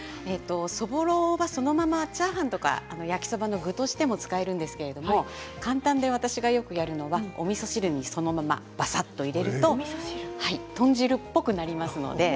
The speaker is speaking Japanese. そぼろはそのままチャーハンとか焼きそばの具としても使えるんですけれど簡単で私がよくやるのはおみそ汁にそのままばさっと入れると豚汁っぽくなります。